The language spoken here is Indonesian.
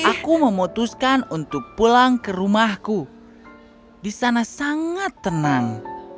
aku memutuskan untuk pulang ke rumahku di sana sangat tenang